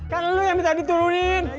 kan lu yang minta diturunin